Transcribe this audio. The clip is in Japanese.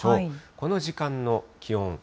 この時間の気温。